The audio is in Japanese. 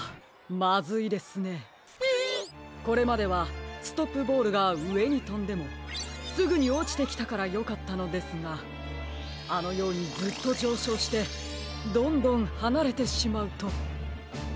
これまではストップボールがうえにとんでもすぐにおちてきたからよかったのですがあのようにずっとじょうしょうしてどんどんはなれてしまうと。